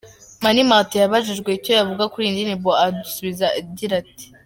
Mani Martin yabajijwe icyo yavuga kuri iyi ndirimbo, adubiza muri agira ati:.